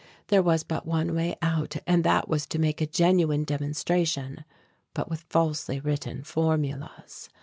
There was but one way out and that was to make a genuine demonstration, but with falsely written formulas.